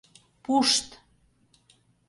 Пушт!